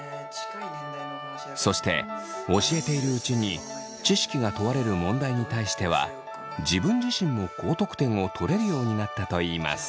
そして教えているうちに知識が問われる問題に対しては自分自身も高得点を取れるようになったといいます。